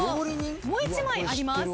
もう１枚あります。